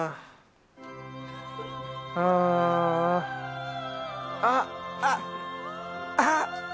ああ、あっ、あっ。